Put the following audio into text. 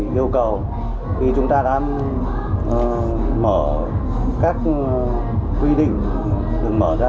yêu cầu khi chúng ta đã mở các quy định được mở ra